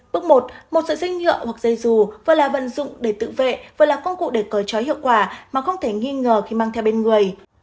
bước một một sợi dây nhựa hoặc dây dù vừa là vận dụng để tự vệ vừa là công cụ để cởi trói hiệu quả mà không thể nghi ngờ khi mang theo bên người